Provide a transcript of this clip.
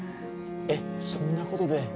えっそんなことで？